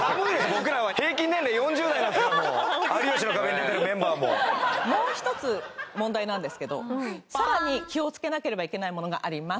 僕らは平均年齢４０代ですからもう「有吉の壁」に出てるメンバーもさらに気をつけなければいけないものがあります